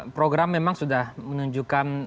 program memang sudah menunjukkan